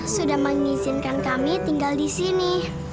sudah mengizinkan kami tinggal di sini